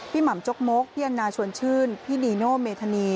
หม่ำจกมกพี่แอนนาชวนชื่นพี่นีโนเมธานี